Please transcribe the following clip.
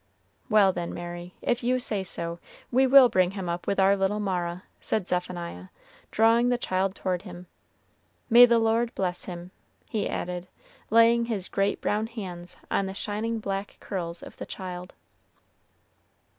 "Well, then, Mary, if you say so, we will bring him up with our little Mara," said Zephaniah, drawing the child toward him. "May the Lord bless him!" he added, laying his great brown hands on the shining black curls of the child.